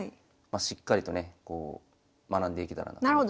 しっかりとね学んでいけたらなと。